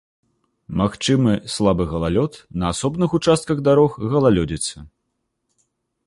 Магчымы слабы галалёд, на асобных участках дарог галалёдзіца.